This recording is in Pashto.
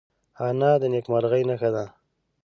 انا د نیکمرغۍ نښه ده